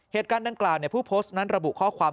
เหตุการณ์ด้านกลางนั่นที่ผู้โพสต์นั้นระบุข้อความ